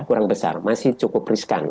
kurang besar masih cukup riskan